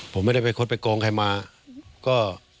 ผมไม่ได้ไปคดไปโกงใครมาก็